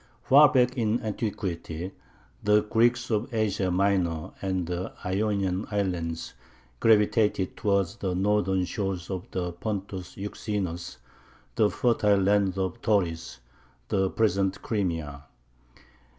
Far back in antiquity the Greeks of Asia Minor and the Ionian Islands gravitated towards the northern shores of the Pontus Euxinus, the fertile lands of Tauris the present Crimea.